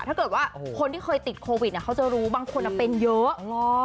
ถ้าเกิดว่าคนที่เคยติดโควิดเขาจะรู้บางคนเป็นเยอะ